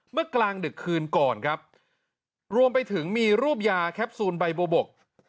กลางดึกคืนก่อนครับรวมไปถึงมีรูปยาแคปซูลใบบัวบก